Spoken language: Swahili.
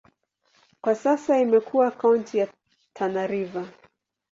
Kwa sasa imekuwa kaunti ya Tana River.